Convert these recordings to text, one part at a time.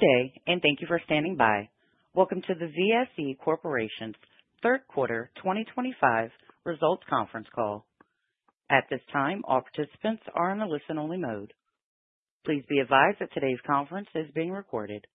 Good day, and thank you for standing by. Welcome to the VSE Corporation's third quarter 2025 results conference call. At this time, all participants are in the listen-only mode. Please be advised that today's conference is being recorded.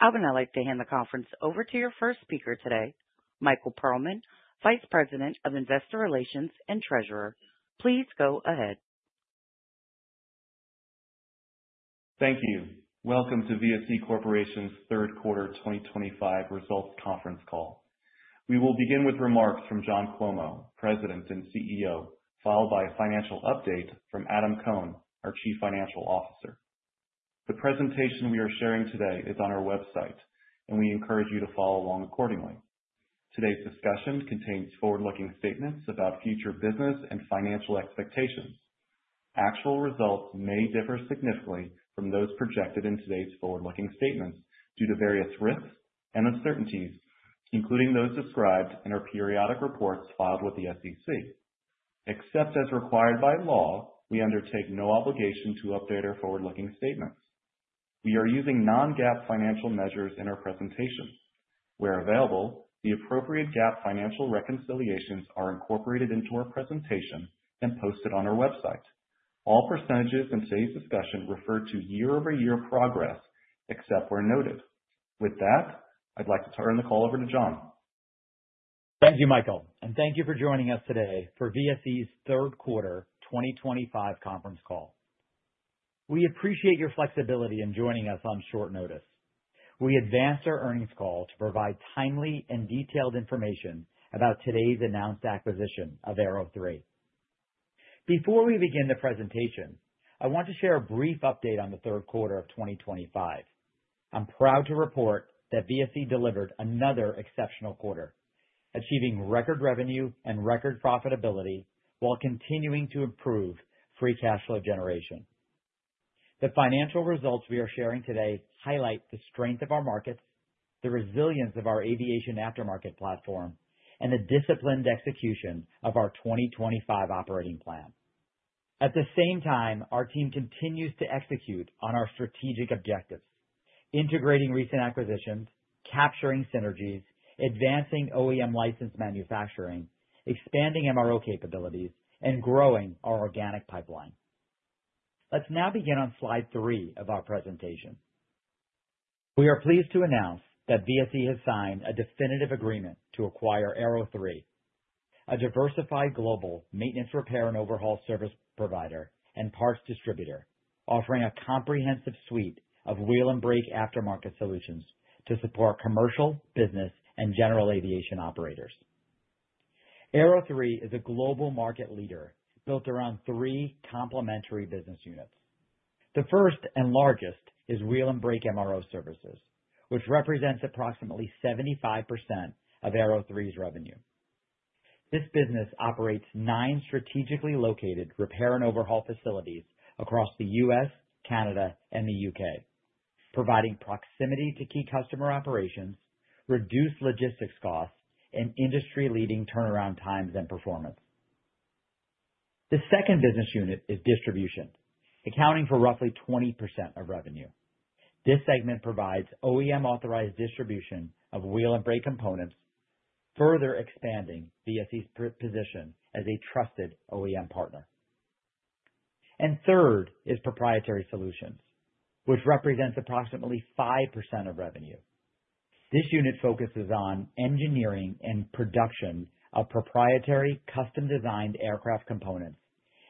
I would now like to hand the conference over to your first speaker today, Michael Perlman, Vice President of Investor Relations and Treasurer. Please go ahead. Thank you. Welcome to VSE Corporation's third quarter 2025 results conference call. We will begin with remarks from John Cuomo, President and CEO, followed by a financial update from Adam Cohn, our Chief Financial Officer. The presentation we are sharing today is on our website, and we encourage you to follow along accordingly. Today's discussion contains forward-looking statements about future business and financial expectations. Actual results may differ significantly from those projected in today's forward-looking statements due to various risks and uncertainties, including those described in our periodic reports filed with the SEC. Except as required by law, we undertake no obligation to update our forward-looking statements. We are using non-GAAP financial measures in our presentation. Where available, the appropriate GAAP financial reconciliations are incorporated into our presentation and posted on our website. All percentages in today's discussion refer to year-over-year progress except where noted. With that, I'd like to turn the call over to John. Thank you, Michael, and thank you for joining us today for VSE's third quarter 2025 conference call. We appreciate your flexibility in joining us on short notice. We advanced our earnings call to provide timely and detailed information about today's announced acquisition of Aero3. Before we begin the presentation, I want to share a brief update on the third quarter of 2025. I'm proud to report that VSE delivered another exceptional quarter, achieving record revenue and record profitability while continuing to improve free cash flow generation. The financial results we are sharing today highlight the strength of our markets, the resilience of our aviation aftermarket platform, and the disciplined execution of our 2025 operating plan. At the same time, our team continues to execute on our strategic objectives, integrating recent acquisitions, capturing synergies, advancing OEM licensed manufacturing, expanding MRO capabilities, and growing our organic pipeline. Let's now begin on slide three of our presentation. We are pleased to announce that VSE has signed a definitive agreement to acquire Aero3, a diversified global maintenance, repair, and overhaul service provider and parts distributor, offering a comprehensive suite of wheel and brake aftermarket solutions to support commercial, business, and general aviation operators. Aero3 is a global market leader built around three complementary business units. The first and largest is wheel and brake MRO services, which represents approximately 75% of Aero3's revenue. This business operates nine strategically located repair and overhaul facilities across the U.S., Canada, and the U.K., providing proximity to key customer operations, reduced logistics costs, and industry-leading turnaround times and performance. The second business unit is distribution, accounting for roughly 20% of revenue. This segment provides OEM-authorized distribution of wheel and brake components, further expanding VSE's position as a trusted OEM partner. And third is proprietary solutions, which represents approximately 5% of revenue. This unit focuses on engineering and production of proprietary custom-designed aircraft components,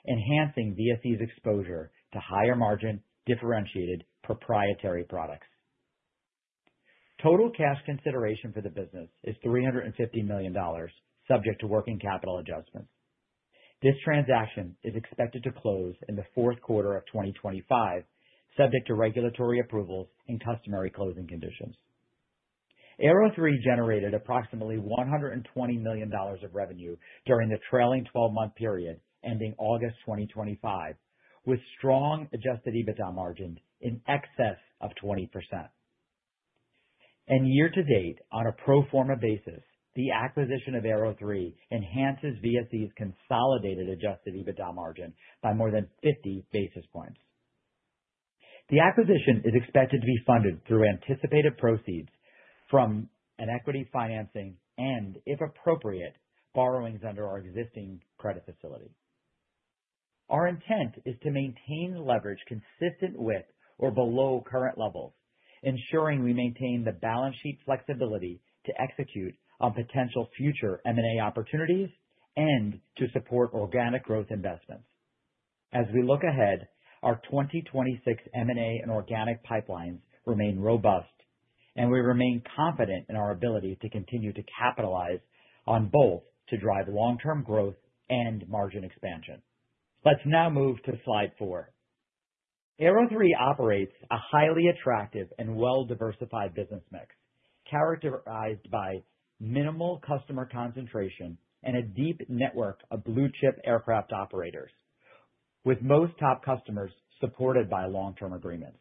enhancing VSE's exposure to higher-margin, differentiated proprietary products. Total cash consideration for the business is $350 million, subject to working capital adjustments. This transaction is expected to close in the fourth quarter of 2025, subject to regulatory approvals and customary closing conditions. Aero3 generated approximately $120 million of revenue during the trailing 12-month period ending August 2025, with strong adjusted EBITDA margins in excess of 20%. And year-to-date, on a pro forma basis, the acquisition of Aero3 enhances VSE's consolidated adjusted EBITDA margin by more than 50 basis points. The acquisition is expected to be funded through anticipated proceeds from equity financing and, if appropriate, borrowings under our existing credit facility. Our intent is to maintain leverage consistent with or below current levels, ensuring we maintain the balance sheet flexibility to execute on potential future M&A opportunities and to support organic growth investments. As we look ahead, our 2026 M&A and organic pipelines remain robust, and we remain confident in our ability to continue to capitalize on both to drive long-term growth and margin expansion. Let's now move to slide four. Aero3 operates a highly attractive and well-diversified business mix, characterized by minimal customer concentration and a deep network of blue-chip aircraft operators, with most top customers supported by long-term agreements.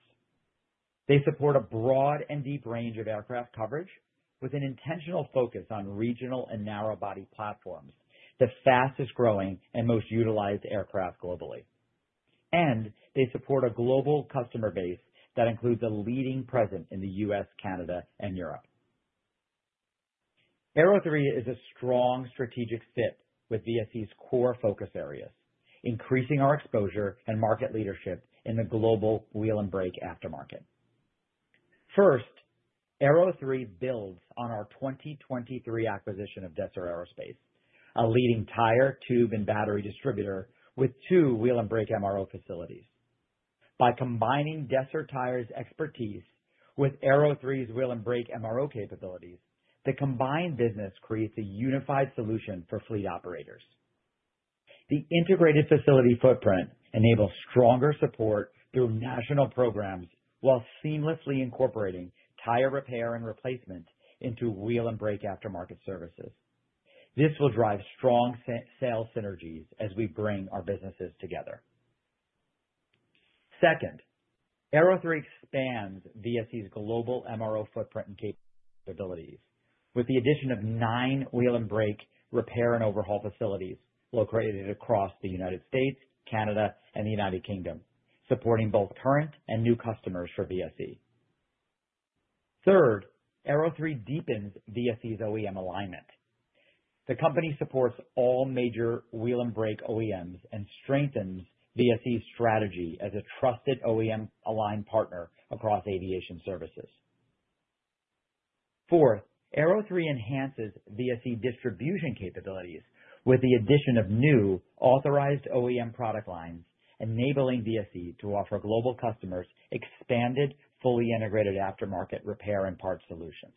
They support a broad and deep range of aircraft coverage, with an intentional focus on regional and narrow-body platforms, the fastest-growing and most utilized aircraft globally, and they support a global customer base that includes a leading presence in the U.S., Canada, and Europe. Aero3 is a strong strategic fit with VSE's core focus areas, increasing our exposure and market leadership in the global wheel and brake aftermarket. First, Aero3 builds on our 2023 acquisition of Desser Aerospace, a leading tire, tube, and battery distributor with two wheel and brake MRO facilities. By combining Desser Tire's expertise with Aero3's wheel and brake MRO capabilities, the combined business creates a unified solution for fleet operators. The integrated facility footprint enables stronger support through national programs while seamlessly incorporating tire repair and replacement into wheel and brake aftermarket services. This will drive strong sales synergies as we bring our businesses together. Second, Aero3 expands VSE's global MRO footprint and capabilities with the addition of nine wheel and brake repair and overhaul facilities located across the United States, Canada, and the United Kingdom, supporting both current and new customers for VSE. Third, Aero3 deepens VSE's OEM alignment. The company supports all major wheel and brake OEMs and strengthens VSE's strategy as a trusted OEM-aligned partner across aviation services. Fourth, Aero3 enhances VSE distribution capabilities with the addition of new authorized OEM product lines, enabling VSE to offer global customers expanded, fully integrated aftermarket repair and parts solutions.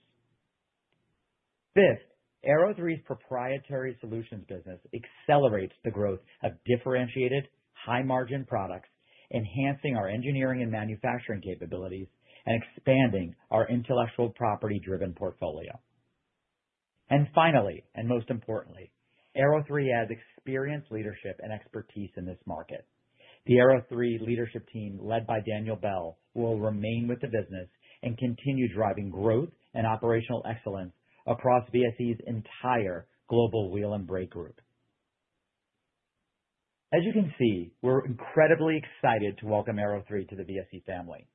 Fifth, Aero3's proprietary solutions business accelerates the growth of differentiated, high-margin products, enhancing our engineering and manufacturing capabilities and expanding our intellectual property-driven portfolio. And finally, and most importantly, Aero3 has experienced leadership and expertise in this market. The Aero3 leadership team, led by Daniel Bell, will remain with the business and continue driving growth and operational excellence across VSE's entire global wheel and brake group. As you can see, we're incredibly excited to welcome Aero3 to the VSE family.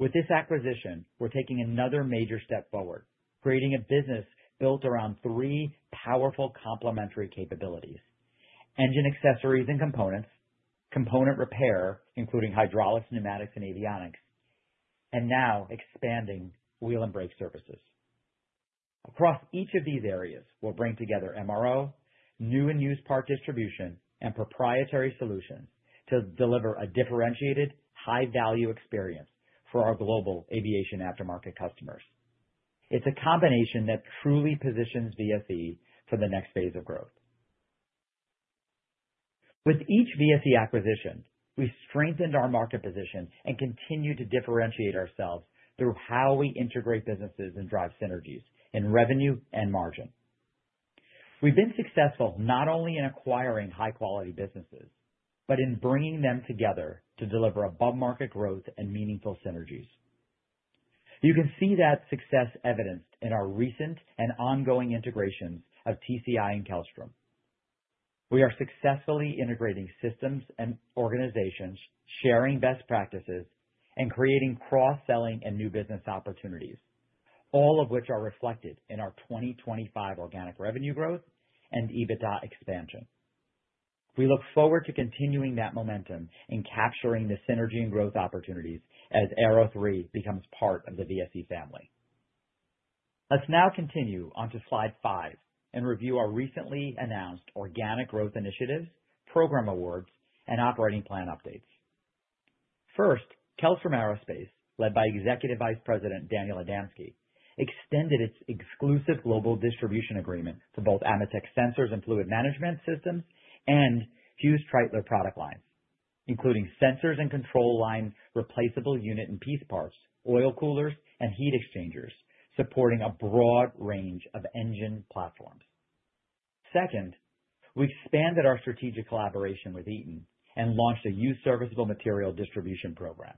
With this acquisition, we're taking another major step forward, creating a business built around three powerful complementary capabilities: engine accessories and components, component repair, including hydraulics, pneumatics, and avionics, and now expanding wheel and brake services. Across each of these areas, we'll bring together MRO, new and used part distribution, and proprietary solutions to deliver a differentiated, high-value experience for our global aviation aftermarket customers. It's a combination that truly positions VSE for the next phase of growth. With each VSE acquisition, we've strengthened our market position and continued to differentiate ourselves through how we integrate businesses and drive synergies in revenue and margin. We've been successful not only in acquiring high-quality businesses but in bringing them together to deliver above-market growth and meaningful synergies. You can see that success evidenced in our recent and ongoing integrations of TCI and Kellstrom. We are successfully integrating systems and organizations, sharing best practices, and creating cross-selling and new business opportunities, all of which are reflected in our 2025 organic revenue growth and EBITDA expansion. We look forward to continuing that momentum and capturing the synergy and growth opportunities as Aero3 becomes part of the VSE family. Let's now continue on to slide five and review our recently announced organic growth initiatives, program awards, and operating plan updates. First, Kellstrom Aerospace, led by Executive Vice President Daniel Adamski, extended its exclusive AMETEK Sensors and Fluid Management Systems and hughes-treitler product lines, including sensors and control line replaceable unit and piece parts, oil coolers, and heat exchangers, supporting a broad range of engine platforms. Second, we expanded our strategic collaboration with Eaton and launched a used serviceable material distribution program.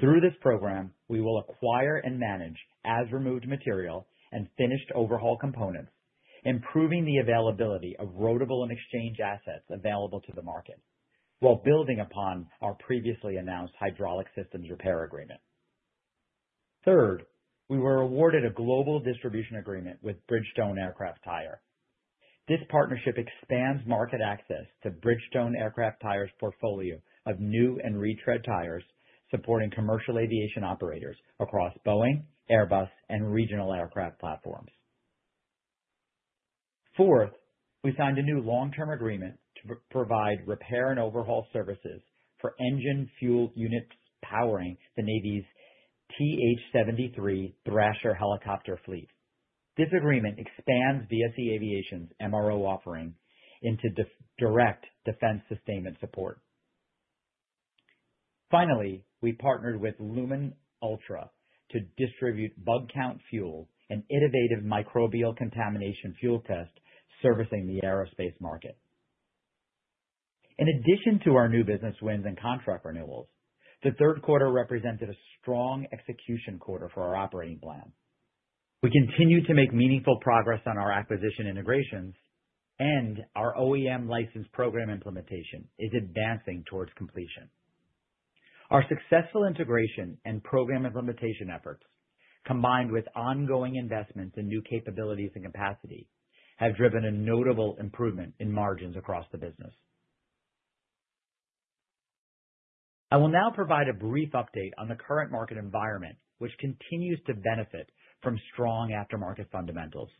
Through this program, we will acquire and manage as-removed material and finished overhaul components, improving the availability of rotable and exchange assets available to the market while building upon our previously announced hydraulic systems repair agreement. Third, we were awarded a global distribution agreement with Bridgestone Aircraft Tire. This partnership expands market access to Bridgestone Aircraft Tire's portfolio of new and retread tires, supporting commercial aviation operators across Boeing, Airbus, and regional aircraft platforms. Fourth, we signed a new long-term agreement to provide repair and overhaul services for engine fuel units powering the Navy's TH-73 Thrasher helicopter fleet. This agreement expands VSE Aviation's MRO offering into direct defense sustainment support. Finally, we partnered with LumenUltra to distribute Bugcount Fuel and innovative microbial contamination fuel tests servicing the aerospace market. In addition to our new business wins and contract renewals, the third quarter represented a strong execution quarter for our operating plan. We continue to make meaningful progress on our acquisition integrations, and our OEM license program implementation is advancing towards completion. Our successful integration and program implementation efforts, combined with ongoing investments in new capabilities and capacity, have driven a notable improvement in margins across the business. I will now provide a brief update on the current market environment, which continues to benefit from strong aftermarket fundamentals.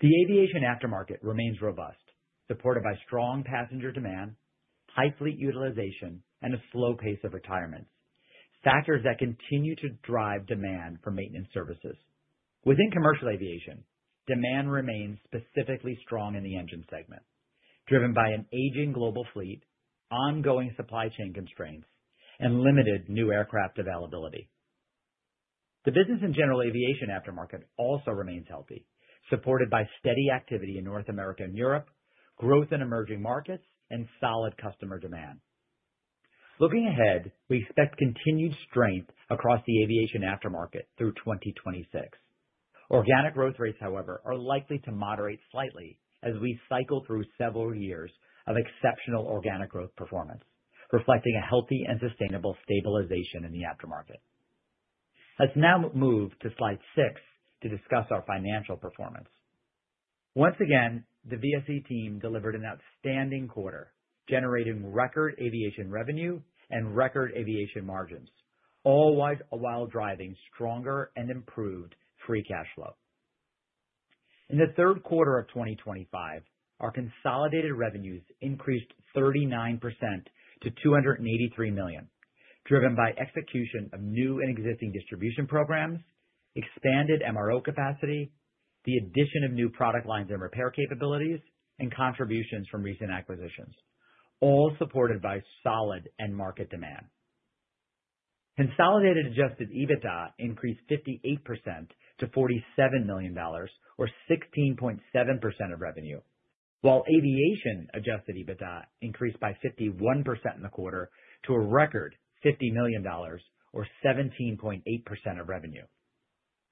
The aviation aftermarket remains robust, supported by strong passenger demand, high fleet utilization, and a slow pace of retirements, factors that continue to drive demand for maintenance services. Within commercial aviation, demand remains specifically strong in the engine segment, driven by an aging global fleet, ongoing supply chain constraints, and limited new aircraft availability. The business in general aviation aftermarket also remains healthy, supported by steady activity in North America and Europe, growth in emerging markets, and solid customer demand. Looking ahead, we expect continued strength across the aviation aftermarket through 2026. Organic growth rates, however, are likely to moderate slightly as we cycle through several years of exceptional organic growth performance, reflecting a healthy and sustainable stabilization in the aftermarket. Let's now move to slide six to discuss our financial performance. Once again, the VSE team delivered an outstanding quarter, generating record aviation revenue and record aviation margins, all while driving stronger and improved free cash flow. In the third quarter of 2025, our consolidated revenues increased 39% to $283 million, driven by execution of new and existing distribution programs, expanded MRO capacity, the addition of new product lines and repair capabilities, and contributions from recent acquisitions, all supported by solid end-market demand. Consolidated Adjusted EBITDA increased 58% to $47 million, or 16.7% of revenue, while aviation Adjusted EBITDA increased by 51% in the quarter to a record $50 million, or 17.8% of revenue.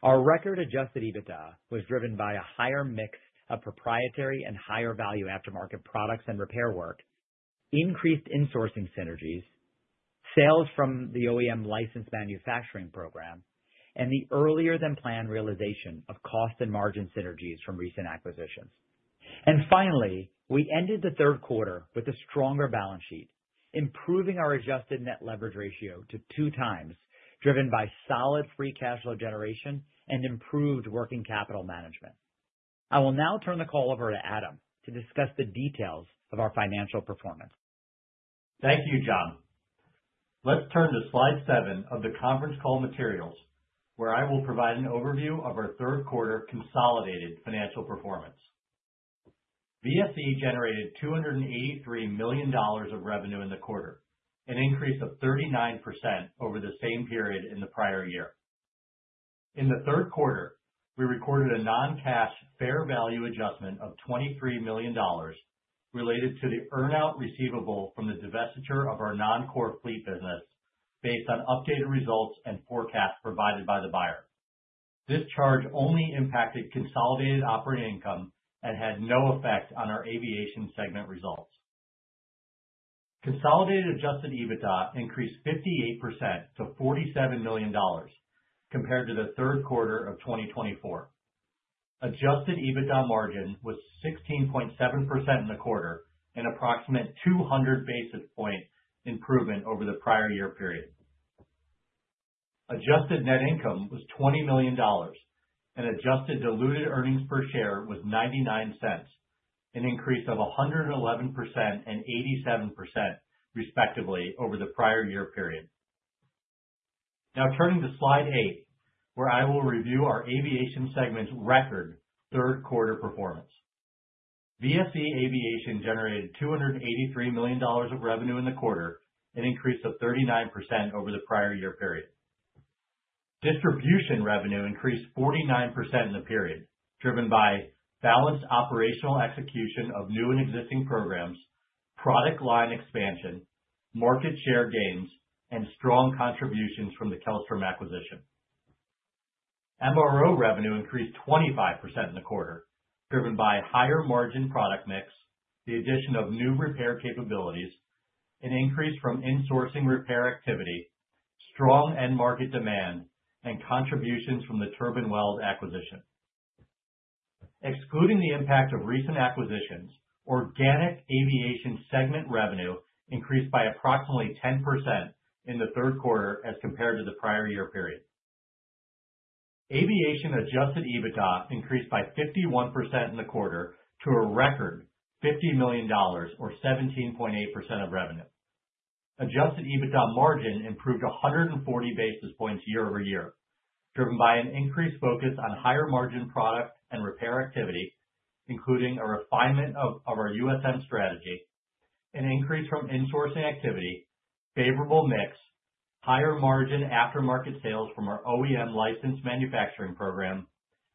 Our record Adjusted EBITDA was driven by a higher mix of proprietary and higher-value aftermarket products and repair work, increased insourcing synergies, sales from the OEM licensed manufacturing program, and the earlier-than-planned realization of cost and margin synergies from recent acquisitions, and finally, we ended the third quarter with a stronger balance sheet, improving our Adjusted Net Leverage Ratio to two times, driven by solid free cash flow generation and improved working capital management. I will now turn the call over to Adam to discuss the details of our financial performance. Thank you, John. Let's turn to slide seven of the conference call materials, where I will provide an overview of our third quarter consolidated financial performance. VSE generated $283 million of revenue in the quarter, an increase of 39% over the same period in the prior year. In the third quarter, we recorded a non-cash fair value adjustment of $23 million related to the earnout receivable from the divestiture of our non-core fleet business based on updated results and forecasts provided by the buyer. This charge only impacted consolidated operating income and had no effect on our aviation segment results. Consolidated Adjusted EBITDA increased 58% to $47 million compared to the third quarter of 2024. Adjusted EBITDA margin was 16.7% in the quarter, an approximate 200 basis points improvement over the prior year period. Adjusted Net Income was $20 million, and Adjusted Diluted Earnings Per Share was $0.99, an increase of 111% and 87%, respectively, over the prior year period. Now turning to slide eight, where I will review our aviation segment's record third quarter performance. VSE Aviation generated $283 million of revenue in the quarter, an increase of 39% over the prior year period. Distribution revenue increased 49% in the period, driven by balanced operational execution of new and existing programs, product line expansion, market share gains, and strong contributions from the Kellstrom acquisition. MRO revenue increased 25% in the quarter, driven by higher margin product mix, the addition of new repair capabilities, an increase from insourcing repair activity, strong end-market demand, and contributions from the Turbine Weld acquisition. Excluding the impact of recent acquisitions, organic aviation segment revenue increased by approximately 10% in the third quarter as compared to the prior year period. Aviation adjusted EBITDA increased by 51% in the quarter to a record $50 million, or 17.8% of revenue. Adjusted EBITDA margin improved 140 basis points year over-year, driven by an increased focus on higher margin product and repair activity, including a refinement of our USM strategy, an increase from insourcing activity, favorable mix, higher margin aftermarket sales from our OEM license manufacturing program,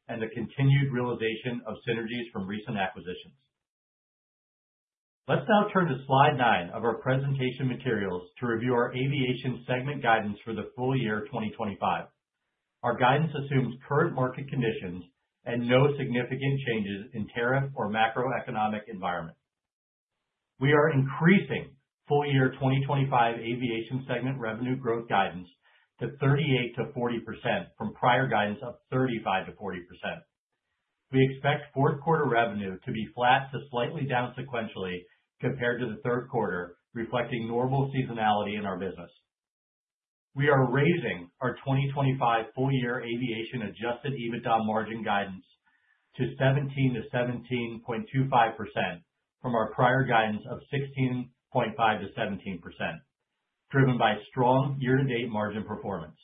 and the continued realization of synergies from recent acquisitions. Let's now turn to slide nine of our presentation materials to review our aviation segment guidance for the full year 2025. Our guidance assumes current market conditions and no significant changes in tariff or macroeconomic environment. We are increasing full year 2025 aviation segment revenue growth guidance to 38%-40% from prior guidance of 35%-40%. We expect fourth quarter revenue to be flat to slightly down sequentially compared to the third quarter, reflecting normal seasonality in our business. We are raising our 2025 full year aviation adjusted EBITDA margin guidance to 17%-17.25% from our prior guidance of 16.5%-17%, driven by strong year-to-date margin performance.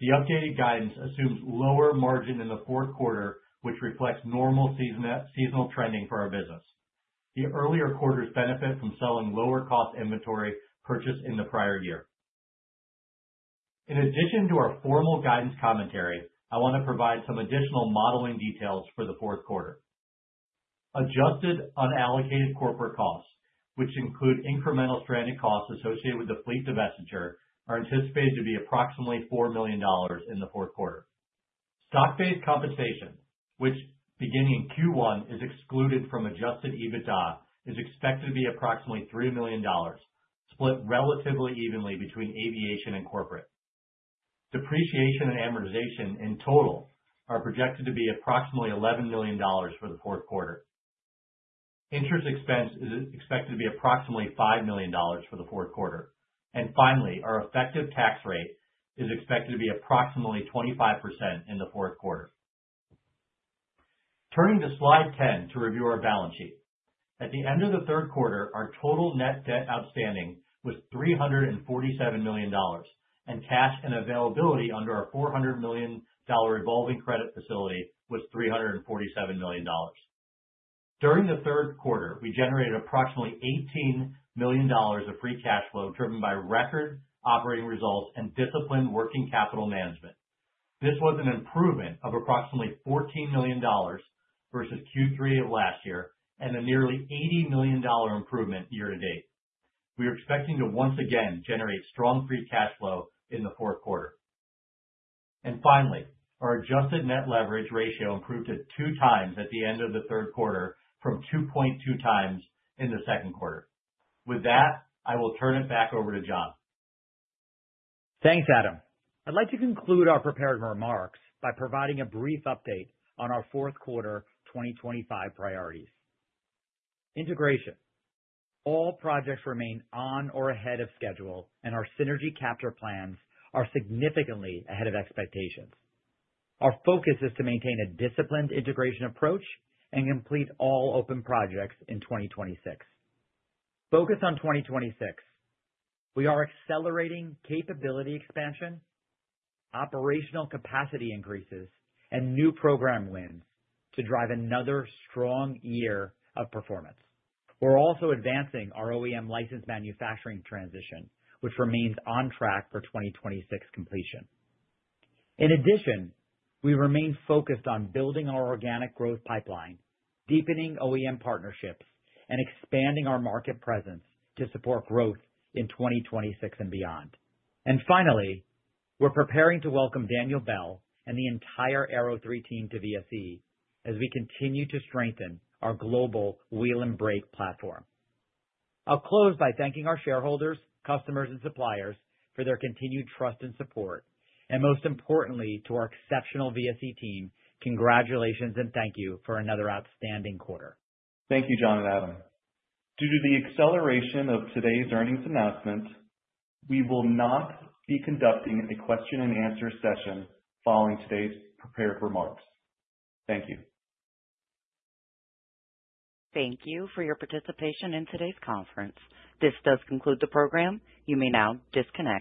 The updated guidance assumes lower margin in the fourth quarter, which reflects normal seasonal trending for our business. The earlier quarters benefit from selling lower-cost inventory purchased in the prior year. In addition to our formal guidance commentary, I want to provide some additional modeling details for the fourth quarter. Adjusted unallocated corporate costs, which include incremental stranded costs associated with the fleet divestiture, are anticipated to be approximately $4 million in the fourth quarter. Stock-based compensation, which, beginning in Q1, is excluded from adjusted EBITDA, is expected to be approximately $3 million, split relatively evenly between aviation and corporate. Depreciation and amortization in total are projected to be approximately $11 million for the fourth quarter. Interest expense is expected to be approximately $5 million for the fourth quarter, and finally, our effective tax rate is expected to be approximately 25% in the fourth quarter. Turning to slide 10 to review our balance sheet. At the end of the third quarter, our total net debt outstanding was $347 million, and cash and availability under our $400 million revolving credit facility was $347 million. During the third quarter, we generated approximately $18 million of free cash flow driven by record operating results and disciplined working capital management. This was an improvement of approximately $14 million versus Q3 of last year and a nearly $80 million improvement year-to-date. We are expecting to once again generate strong free cash flow in the fourth quarter. Finally, our adjusted net leverage ratio improved to two times at the end of the third quarter from 2.2 times in the second quarter. With that, I will turn it back over to John. Thanks, Adam. I'd like to conclude our prepared remarks by providing a brief update on our fourth quarter 2025 priorities. Integration. All projects remain on or ahead of schedule, and our synergy capture plans are significantly ahead of expectations. Our focus is to maintain a disciplined integration approach and complete all open projects in 2026. Focus on 2026. We are accelerating capability expansion, operational capacity increases, and new program wins to drive another strong year of performance. We're also advancing our OEM licensed manufacturing transition, which remains on track for 2026 completion. In addition, we remain focused on building our organic growth pipeline, deepening OEM partnerships, and expanding our market presence to support growth in 2026 and beyond. And finally, we're preparing to welcome Daniel Bell and the entire Aero3 team to VSE as we continue to strengthen our global wheel and brake platform. I'll close by thanking our shareholders, customers, and suppliers for their continued trust and support, and most importantly, to our exceptional VSE team, congratulations and thank you for another outstanding quarter. Thank you, John and Adam. Due to the acceleration of today's earnings announcement, we will not be conducting a question-and-answer session following today's prepared remarks. Thank you. Thank you for your participation in today's conference. This does conclude the program. You may now disconnect.